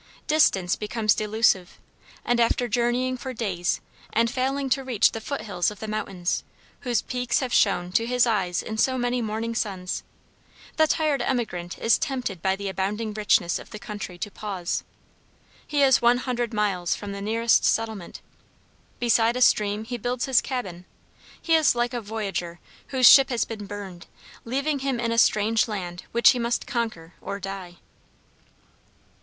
Distance becomes delusive, and after journeying for days and failing to reach the foot hills of the mountains, whose peaks have shone to his eyes in so many morning suns, the tired emigrant is tempted by the abounding richness of the country to pause. He is one hundred miles from the nearest settlement. Beside a stream he builds his cabin. He is like a voyager whose ship has been burned, leaving him in a strange land which he must conquer or die.